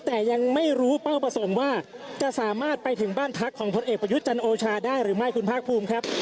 แต่ยังไม่รู้เป้าประสงค์ว่าจะสามารถไปถึงบ้านพักของพลเอกประยุทธ์จันโอชาได้หรือไม่คุณภาคภูมิครับ